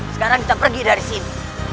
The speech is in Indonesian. sekarang kita pergi dari sini